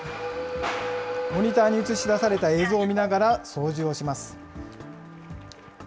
モニターに映し出された映像を見ながら操縦をします。